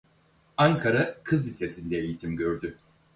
Ankara Kız Lisesi'nde eğitim gördü.